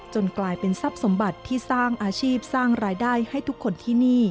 กลายเป็นทรัพย์สมบัติที่สร้างอาชีพสร้างรายได้ให้ทุกคนที่นี่